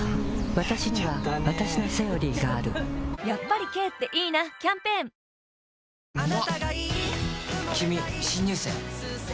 わたしにはわたしの「セオリー」があるやっぱり軽っていいなキャンペーン何だ？